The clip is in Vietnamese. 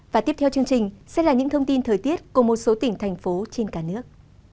và tiếp theo chương trình sẽ là những thông tin thời tiết của một số tỉnh thành phố trên cả nước